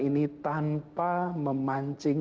ini tanpa memancing